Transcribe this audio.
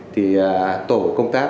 thì tổ công tác